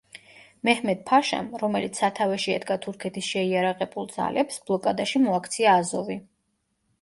მეჰმედ-ფაშამ, რომელიც სათავეში ედგა თურქეთის შეიარაღებულ ძალებს, ბლოკადაში მოაქცია აზოვი.